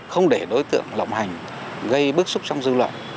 không để đối tượng lộng hành gây bức xúc trong dư luận